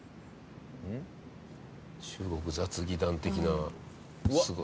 中国雑技団的な。